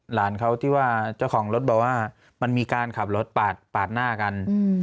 หลานเขาที่ว่าเจ้าของรถบอกว่ามันมีการขับรถปาดหน้ากัน